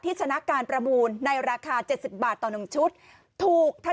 ที่ชนะการประมูลในราคาเจ็ดสิบบาทต่อหนึ่งชุดถูกถ้า